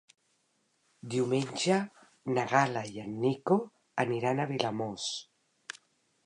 Diumenge na Gal·la i en Nico aniran a Vilamòs.